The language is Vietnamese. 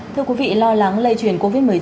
thưa quý vị lo lắng lây truyền covid một mươi chín